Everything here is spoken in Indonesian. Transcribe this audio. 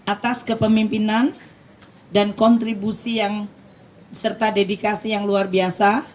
atas kepemimpinan dan kontribusi yang serta dedikasi yang luar biasa